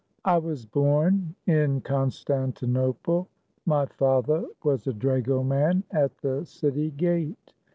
WAS born in Constantinople. My father was a dragoman at the city gate.